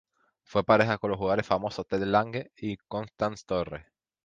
Fue pareja con los jugadores famosos Ted Lange y Constance Torres.